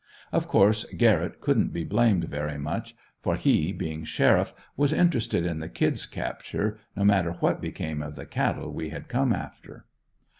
Of course Garrett couldn't be blamed very much for he, being Sheriff, was interested in the "Kid's" capture, no matter what became of the cattle we had come after.